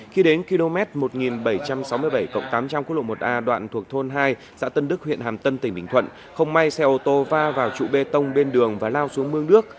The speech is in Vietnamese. khi đến km một nghìn bảy trăm sáu mươi bảy tám trăm linh quốc lộ một a đoạn thuộc thôn hai xã tân đức huyện hàm tân tỉnh bình thuận không may xe ô tô va vào trụ bê tông bên đường và lao xuống mương nước